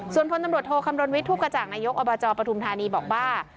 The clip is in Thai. ส่วนพลตำรวจโทคำรณวิทย์ทูปกระจ่างนายกอบจปฐุมธานีบอกว่า